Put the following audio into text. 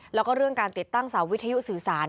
แล้วก็เรื่องการติดตั้งเสาวิทยุสื่อสาร